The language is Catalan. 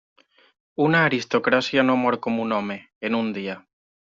Una aristocràcia no mor com un home, en un dia.